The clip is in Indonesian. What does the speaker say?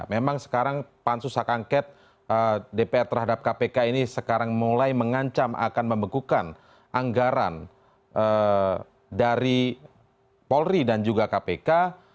memang sekarang pansus hak angket dpr terhadap kpk ini sekarang mulai mengancam akan membekukan anggaran dari polri dan juga kpk